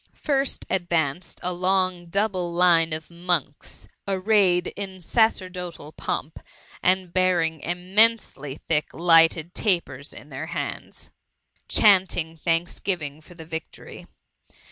v First advanced a long double line of monkfS arrayed in sacerdotal pomp, and bearing im nfensely thick lighted tapers in their hands. THE MUMMT. Sffi dianting tbanksgiyiBg for the victory.